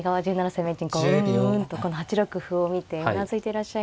世名人うんうんうんとこの８六歩を見てうなずいてらっしゃいました。